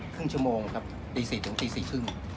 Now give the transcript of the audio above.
ครึ่งชั่วโมงครับตี๔ถึงตี๔๓๐